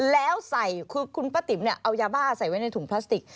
แล้วใส่คือคุณป้าติ๋มเนี่ยเอายาบ้าใส่ไว้ในถุงพลาสติก